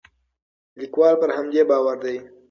لیکوال پر همدې باور دی.